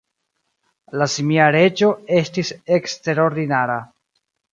La simia reĝo estis eksterordinara.